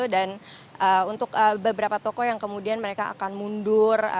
dan untuk beberapa toko yang kemudian mereka akan mundur